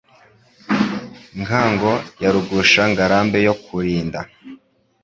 Ngango ya RugushaNgarambe yo kurinda